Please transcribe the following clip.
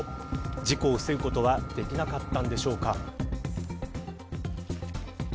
事故を防ぐことはできなかったのでしょうか。